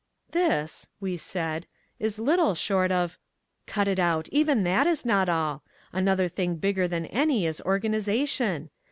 "This," we said, "is little short of " "Cut it out. Even that is not all. Another thing bigger than any is organization.